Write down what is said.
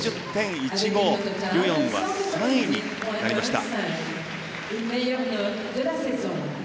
ユ・ヨンは３位になりました。